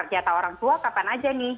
jatah orang tua kapan aja nih